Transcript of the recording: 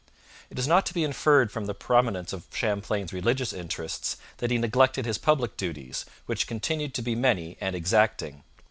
It is not to be inferred from the prominence of Champlain's religious interests that he neglected his public duties, which continued to be many and exacting.